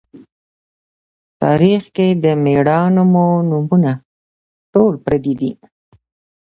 تاریخ کښې د مــړانو مـو نومــونه ټول پردي دي